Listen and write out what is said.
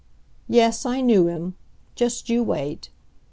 Yes, I knew him. Just you wait.